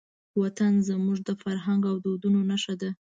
وطن زموږ د فرهنګ او دودونو نښه ده.